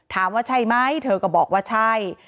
ถามว่าใช่ไหมเธอก็บอกว่าใช่